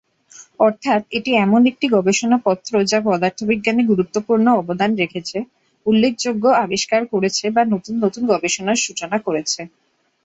অর্থাৎ এটি এমন একটি গবেষণাপত্র যা পদার্থবিজ্ঞানে গুরুত্বপূর্ণ অবদান রেখেছে, উল্লেখযোগ্য আবিষ্কার করেছে বা নতুন নতুন গবেষণার সূচনা করেছে।